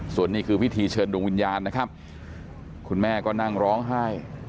ส่วนนี้คือพิธีเชิญดวงวิญญาณนะครับคุณแม่ก็นั่งร้องไห้